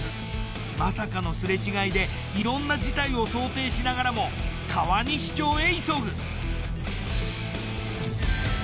まさかのすれ違いでいろんな事態を想定しながらも川西町へ急ぐ。